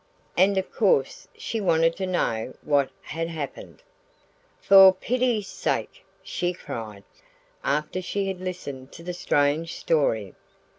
And of course she wanted to know what had happened. "For pity's sake!" she cried, after she had listened to the strange story.